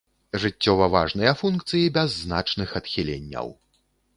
Жыццёва важныя функцыі без значных адхіленняў.